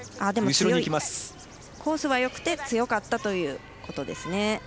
コースはよくて強かったということですね。